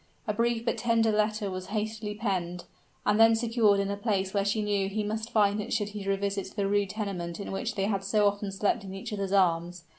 A brief but tender letter was hastily penned, and then secured in a place where she knew he must find it should he revisit the rude tenement in which they had so often slept in each other's arms.